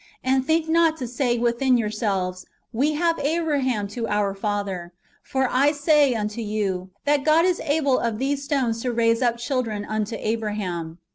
And think not to say within yourselves, We have Abraham [to our] father : for I say unto you, that God is able of these stones to raise up children unto Abraham."